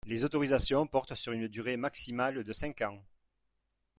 Les autorisations portent sur une durée maximale de cinq ans.